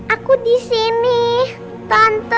aku disini tante